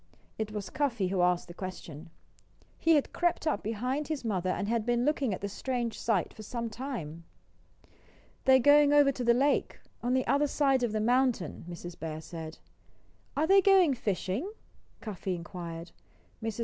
It was Cuffy who asked the question. He had crept up behind his mother and had been looking at the strange sight for some time. "They're going over to the lake, on the other side of the mountain," Mrs. Bear said. "Are they going fishing?" Cuffy inquired. Mrs.